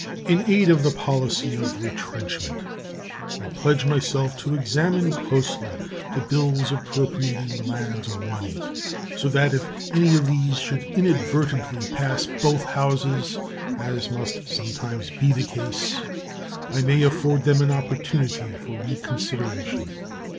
In aid of the policy of retrenchment, I pledge myself to examine closely the bills appropriating lands or money, so that if any of these should inadvertently pass both Houses, as must sometimes be the case, I may afford them an opportunity for reconsideration.